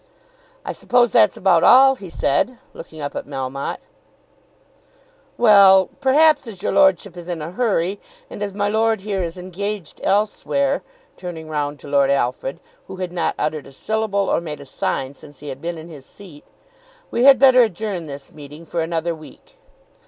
"I suppose that's about all," he said, looking up at Melmotte. "Well; perhaps as your lordship is in a hurry, and as my lord here is engaged elsewhere," turning round to Lord Alfred, who had not uttered a syllable or made a sign since he had been in his seat, "we had better adjourn this meeting for another week."